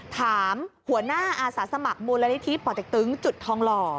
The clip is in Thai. ถามหัวหน้าอาศัยสมัครมูลนิธิปกติทองลอ